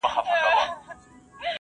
اسمان راڅخه اخلي امتحان څه به کوو؟.